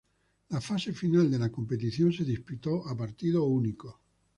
La fase final de la competición se disputó a partido único.